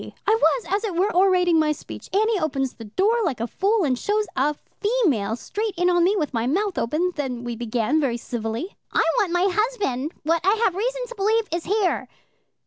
I was, as it were, orating my speech. Annie opens the door like a fool, and shows a female straight in on me, with my mouth open. Then we began very civilly. 'I want my husband, what I have reason to believe is here.'